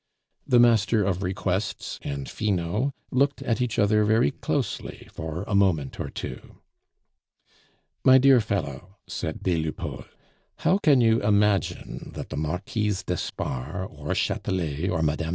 The Master of Requests and Finot looked at each other very closely for a moment or two. "My dear fellow," said des Lupeaulx, "how can you imagine that the Marquise d'Espard, or Chatelet, or Mme.